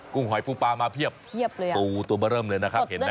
กุ้งหอยฟูปลามาเพียบเพียบเลยครับสูตรตัวเริ่มเลยนะคะเห็นไหม